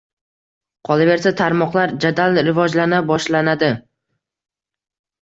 Qolaversa, tarmoqlar jadal rivojlana boshlanadi.